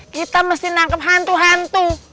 kita mesti nangkep hantu hantu